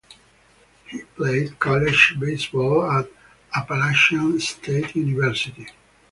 He played college baseball at Appalachian State University.